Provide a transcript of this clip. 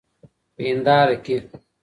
په هینداره کي